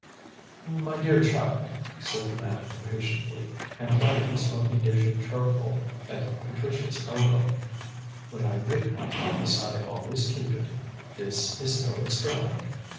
"My dear child," said the man impatiently, and planting the smoking dish of charcoal at Patricia's elbow, "when I make a promise I always keep it. This is no experiment.